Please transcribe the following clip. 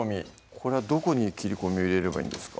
これはどこに切り込みを入れればいいんですか？